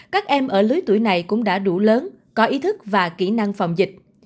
các em ở lứa tuổi này cũng đã đủ lớn có ý thức và kỹ năng phòng dịch